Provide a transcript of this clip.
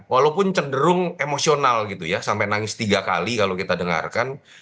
walaupun cenderung emosional gitu ya sampai nangis tiga kali kalau kita dengarkan